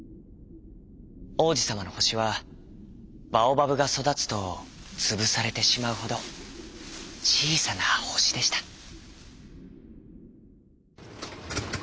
王子さまの星はバオバブがそだつとつぶされてしまうほどちいさな星でした。